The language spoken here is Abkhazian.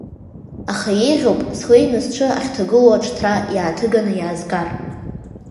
Аха еиӷьуп, слеины сҽы ахьҭагылоу аҽҭра иааҭыганы иаазгар.